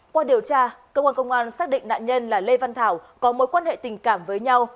qua điều tra cơ quan công an xác định nạn nhân là lê văn thảo có mối quan hệ tình cảm với nhau